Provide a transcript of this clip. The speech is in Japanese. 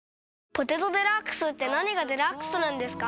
「ポテトデラックス」って何がデラックスなんですか？